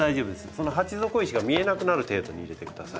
その鉢底石が見えなくなる程度に入れてください。